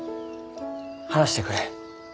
話してくる。